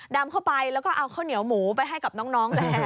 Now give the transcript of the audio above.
ดำเข้าไปแล้วก็เอาข้าวเหนียวหมูไปให้กับน้องแล้ว